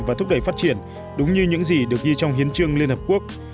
và thúc đẩy phát triển đúng như những gì được ghi trong hiến trương liên hợp quốc